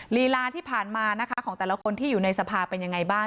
ลีลาที่ผ่านมานะคะของแต่ละคนที่อยู่ในสภาเป็นยังไงบ้าง